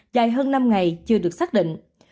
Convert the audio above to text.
dài hơn năm ngày chưa được xác định